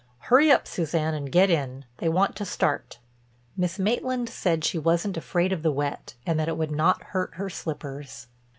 Hurry up, Suzanne, and get in. They want to start." Miss Maitland said she wasn't afraid of the wet and that it would not hurt her slippers.